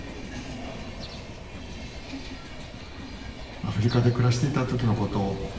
アフリカで暮らしていた時のこと。